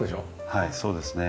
はいそうですね。